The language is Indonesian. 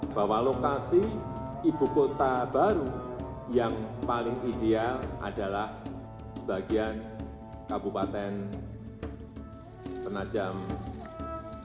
bahwa lokasi ibu kota baru yang paling ideal adalah sebagian kabupaten penajam